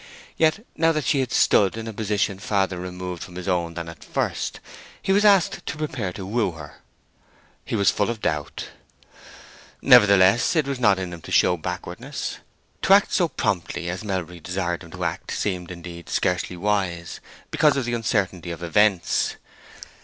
Yet, now that she had stood in a position farther removed from his own than at first, he was asked to prepare to woo her. He was full of doubt. Nevertheless, it was not in him to show backwardness. To act so promptly as Melbury desired him to act seemed, indeed, scarcely wise, because of the uncertainty of events.